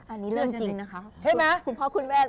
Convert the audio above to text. อันนี้เรื่องจริงนะคะ